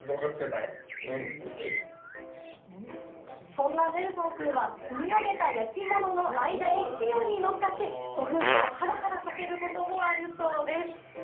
そんなネルソンくんは積み上げた焼き物の間に器用に乗っかって、ご夫婦をハラハラさせることもあるそうです。